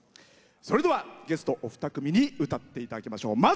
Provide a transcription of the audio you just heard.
それではゲストお二組に歌っていただきましょう。